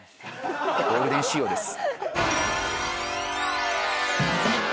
ゴールデン仕様です。